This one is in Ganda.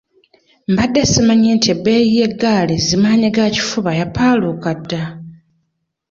Mbadde simanyi nti ebbeeyi y'eggaali zi maanyigakifuba yapaaluuka dda.